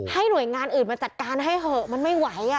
หน่วยงานอื่นมาจัดการให้เหอะมันไม่ไหว